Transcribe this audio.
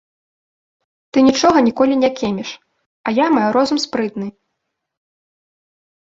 Ты нічога ніколі не кеміш, а я маю розум спрытны.